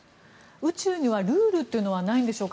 宇宙にはルールというのはないんでしょうか。